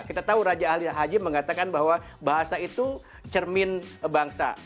kita tahu raja ali haji mengatakan bahwa bahasa itu cermin bangsa